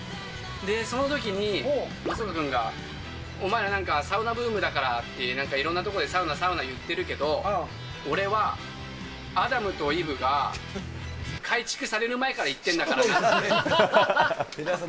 そのときに、松岡君がお前ら、なんかサウナブームだからって、いろんな所でサウナサウナ言ってるけど、俺はアダムとイブが改築される前から行ってんだからなって。